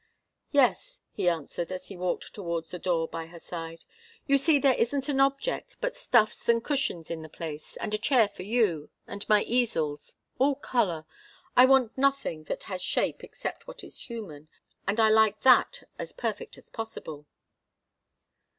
"Yes," he answered, as he walked towards the door by her side. "You see there isn't an object but stuffs and cushions in the place, and a chair for you and my easels all colour. I want nothing that has shape except what is human, and I like that as perfect as possible."